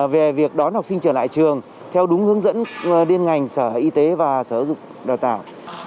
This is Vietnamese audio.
về việc đón học sinh trở lại trường theo đúng hướng dẫn liên ngành sở y tế và sở dục đào tạo